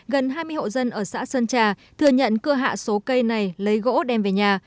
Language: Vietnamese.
gần hai mươi hộ dân ở xã sơn trà thừa nhận cưa hạ số cây này lấy gỗ đem về nhà